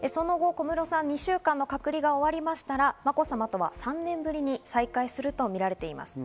２週間の隔離が終わりましたら、まこさまとは３年ぶりに再会するとみられます。